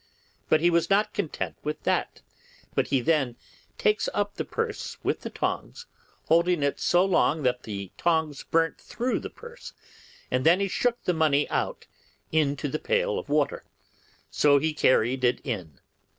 But he was not content with that, but he then takes up the purse with the tongs, holding it so long till the tongs burnt through the purse, and then he shook the money out into the pail of water, so he carried it in.